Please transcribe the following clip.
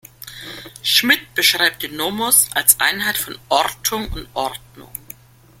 Schmitt beschreibt den Nomos als „Einheit von Ortung und Ordnung“.